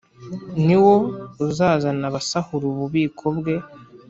Ni wo uzazana abasahura ububiko bwe,